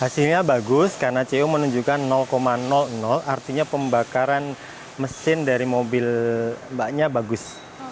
hasilnya bagus karena co menunjukkan artinya pembakaran mesin dari mobil mbaknya bagus